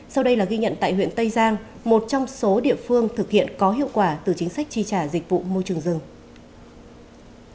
sau đây là ghi nhận tại huyện tây giang một trong số địa phương thực hiện có hiệu quả từ chính sách tri trả dịch vụ môi trường rừng